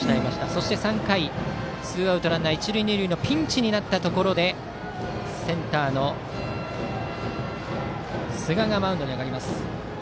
そして３回、ツーアウトランナー、一塁二塁のピンチになったところでセンターの寿賀がマウンドに上がります。